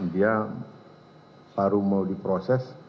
dia baru mau diproses